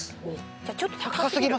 じゃあちょっと高すぎる？